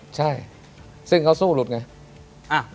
ใช่ซึ่งเขาสู้หลุดไง